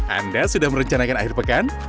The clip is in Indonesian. anda sudah merencanakan akhir pekan